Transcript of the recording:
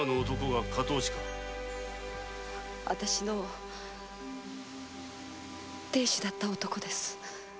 私の亭主だった男です。